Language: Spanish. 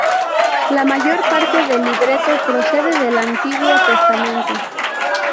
La mayor parte del libreto procede del Antiguo Testamento.